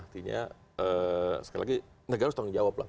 artinya sekali lagi negara harus bertanggung jawab lah